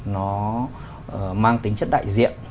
nó mang tính chất đại diện